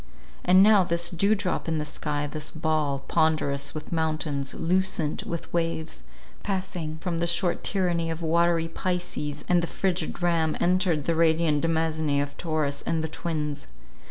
And now, this dew drop in the sky, this ball, ponderous with mountains, lucent with waves, passing from the short tyranny of watery Pisces and the frigid Ram, entered the radiant demesne of Taurus and the Twins.